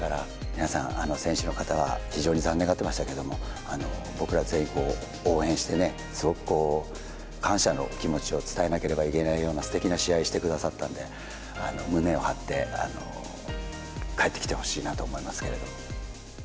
皆さん、選手の方は非常に残念がっていましたけれども、僕ら全員応援して、すごく感謝の気持ちを伝えなければいけないようなすてきな試合してくださったんで、胸を張って帰ってきてほしいなと思いますけれども。